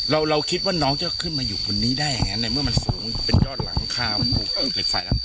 เราคิดว่าน้องจะขึ้นมาอยู่ตรงนี้ได้ยังไงในเมื่อมันสูงเป็นยอดหลังข้าวเหล็กไฟแล้ว